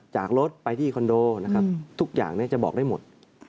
จากรถไปที่คอนโดนะครับทุกอย่างจะบอกได้หมด